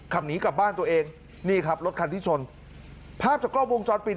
หนีกลับบ้านตัวเองนี่ครับรถคันที่ชนภาพจากกล้องวงจรปิด